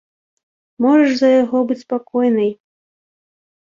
Можаш за яго быць спакойнай!